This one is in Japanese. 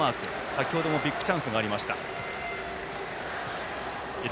先程もビッグチャンスがありました。